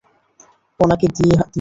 উনাকে দিয়ে হবে না।